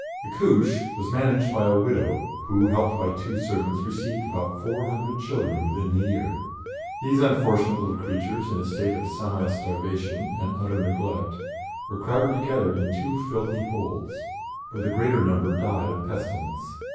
The "Couche" was managed by a widow, who, helped by two servants, received about four hundred children within the year. These unfortunate little creatures, in a state of semi starvation and utter neglect, were crowded together into two filthy holes, where the greater number died of pestilence.